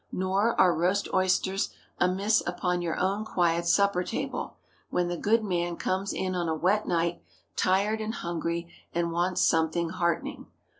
Nor are roast oysters amiss upon your own quiet supper table, when the "good man" comes in on a wet night, tired and hungry, and wants "something heartening."